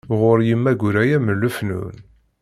Ɣur yemma Guraya m lefnun.